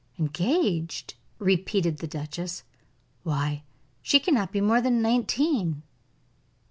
"Engaged!" repeated the duchess. "Why, she cannot be more than nineteen."